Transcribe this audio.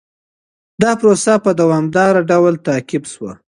دا پروسه په دوامداره ډول تعقيب سوه.